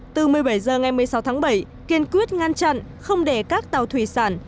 từ một mươi bảy h ngày một mươi sáu tháng bảy kiên quyết ngăn chặn không để các tàu thủy sản